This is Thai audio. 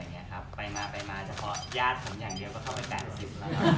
ท่านไปมาแย่เพาะยาดผมอย่างเดียวก็เข้าไป๘๐แล้วครับ